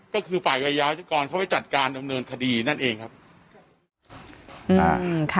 ก็คือฝ่ายกายยาวจักรเขาไปจัดการดำเนินคดีนั่นเองครับอืมค่ะ